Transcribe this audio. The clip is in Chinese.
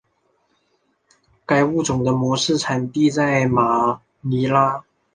该物种的模式产地在马尼拉。